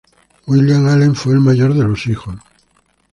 William Allen fue el mayor de los hijos trabajo y de unos amish.